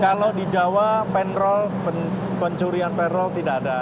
kalau di jawa penrol pencurian penrol tidak ada